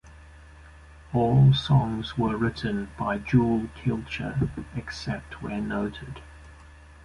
All songs were written by Jewel Kilcher, except where noted.